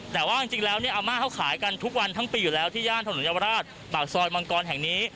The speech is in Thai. แต่ว่าจริงแล้วเนี่ยอาม่าเขาขายกันทุกวันทั้งปีอยู่แล้วที่ย่านถนนเยาวราชปากซอยมังกรแห่งนี้